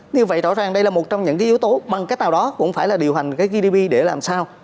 như vậy rõ ràng đây là một trong những cái yếu tố bằng cái tàu đó cũng phải là điều hành cái gdp để làm sao